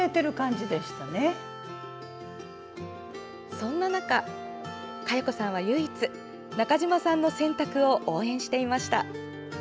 そんな中、佳代子さんは唯一、中島さんの選択を応援していました。